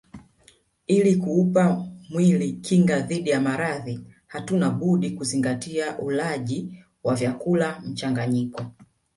Ili kuupa mwili kinga dhidi ya maradhi hatuna budi kuzingatia ulaji wa vyakula mchanganyiko